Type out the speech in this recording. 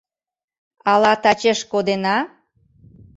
Ала тачеш кодена?..